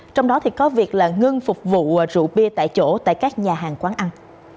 trong đó có việc ngưng phục vụ rượu bia tại chỗ tại các nhà hàng quán ăn